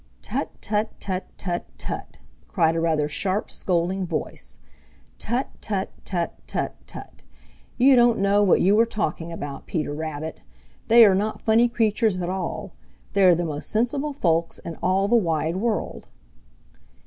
"Tut, tut, tut, tut, tut!" cried a rather sharp scolding voice. "Tut, tut, tut, tut, tut! You don't know what you are talking about, Peter Rabbit. They are not funny creatures at all. They are the most sensible folks in all the wide world."